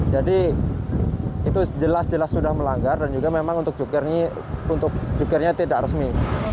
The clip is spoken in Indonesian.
jadi itu jelas jelas sudah melanggar dan juga memang untuk cukirnya tidak resmi